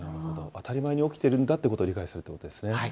当たり前に起きてるんだってことを理解するということですね。